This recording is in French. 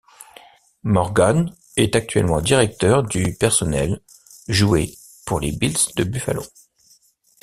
Morgan est actuellement Directeur du personnel jouer pour les Bills de Buffalo.